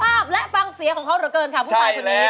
ภาพและฟังเสียงของเขาเหลือเกินค่ะผู้ชายคนนี้